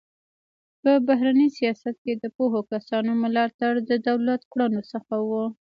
په بهرني سیاست کې د پوهو کسانو ملاتړ د دولت کړنو څخه و.